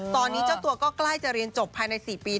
ตอนนี้เจ้าตัวก็ใกล้จะเรียนจบภายใน๔ปี